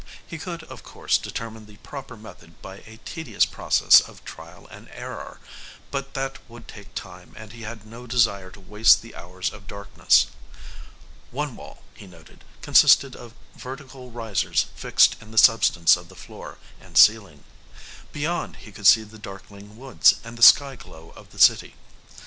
He could, of course, determine the proper method by a tedious process of trial and error, but that would take time and he had no desire to waste the hours of darkness. One wall, he noted, consisted of vertical risers fixed in the substance of the floor and ceiling. Beyond, he could see the darkling woods and the sky glow of the city.